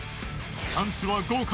チャンスは５回